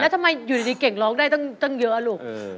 ทำไมอยู่ดีเก่งร้องได้ตั้งเยอะลูก